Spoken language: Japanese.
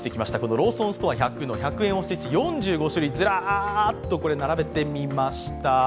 ローソンストア１００の１００円おせち、４５種類、ずらっと並べてみました。